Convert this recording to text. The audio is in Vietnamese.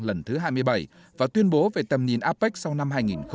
lần thứ hai mươi bảy và tuyên bố về tầm nhìn apec sau năm hai nghìn hai mươi